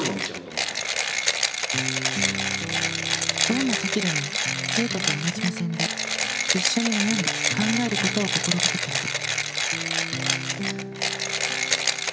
どんなときでも生徒と同じ目線で一緒に悩み考えることを心がけている。